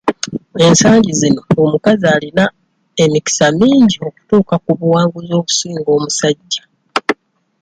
Ensangi zino omukazi ayina emikisa mingi okutuuka ku buwanguzi okusinga omusajja.